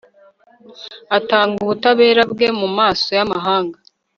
atangaza ubutabera bwe mu maso y'amahanga